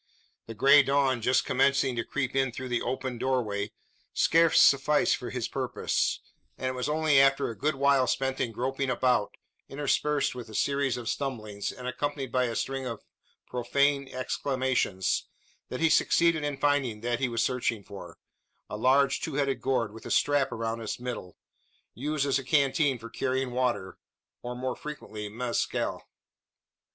The grey dawn, just commencing to creep in through the open doorway, scarce sufficed for his purpose; and it was only after a good while spent in groping about, interspersed with a series of stumblings, and accompanied by a string of profane exclamations, that he succeeded in finding that he was searching for: a large two headed gourd, with a strap around its middle, used as a canteen for carrying water, or more frequently mezcal.